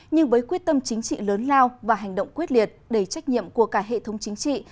nhưng với quyết tâm chính trị lớn lao và hành động quyết liệt đầy trách nhiệm của cả hệ thống chính trị